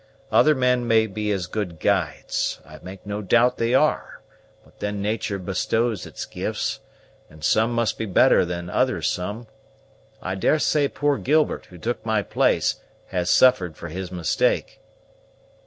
Other men may be as good guides I make no doubt they are; but then natur' bestows its gifts, and some must be better than other some. I daresay poor Gilbert, who took my place, has suffered for his mistake."